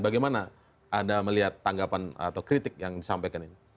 bagaimana anda melihat tanggapan atau kritik yang disampaikan ini